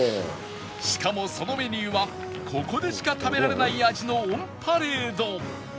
しかもそのメニューはここでしか食べられない味のオンパレード